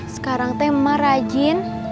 sekarang tema rajin